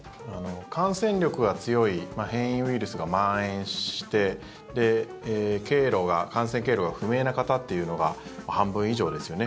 感染力が強い変異ウイルスがまん延して感染経路が不明な方というのが半分以上ですよね。